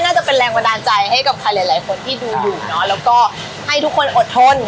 น่าจะเป็นแรงบันดาลใจให้กับใครหลายคนที่ดูอยู่เนอะแล้วก็ให้ทุกคนอดทน